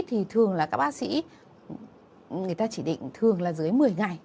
thì thường là các bác sĩ người ta chỉ định thường là dưới một mươi ngày